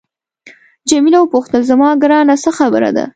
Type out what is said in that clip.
جميله وپوښتل زما ګرانه څه خبره ده.